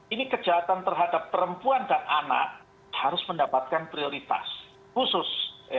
ini kejahatan terhadap perempuan dan anak harus mendapatkan prioritas khusus